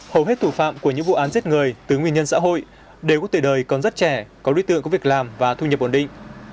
hầu hết thủ phạm của những vụ án giết người từ nguyên nhân xã hội đều có tuổi đời còn rất trẻ có đối tượng có việc làm và thu nhập ổn định